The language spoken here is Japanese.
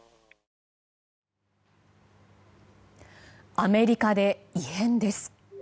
アメリカで異変です。